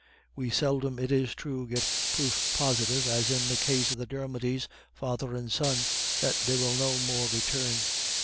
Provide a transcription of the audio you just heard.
We seldom, it is true, get proof positive, as in the case of the Dermodys, father and son, that they will no more return.